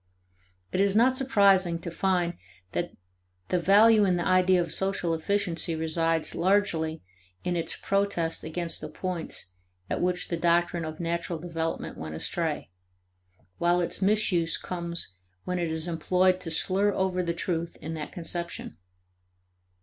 It is not surprising to find that the value in the idea of social efficiency resides largely in its protest against the points at which the doctrine of natural development went astray; while its misuse comes when it is employed to slur over the truth in that conception.